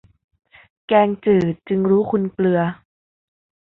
แกงจืดจึงรู้คุณเกลือ